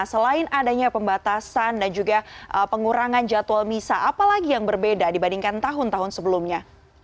selain adanya pembatasan dan juga pengurangan jadwal misa apalagi yang berbeda dibandingkan tahun tahun sebelumnya